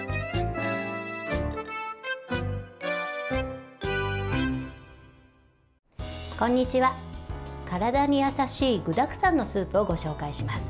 体に優しい具だくさんのスープをご紹介します。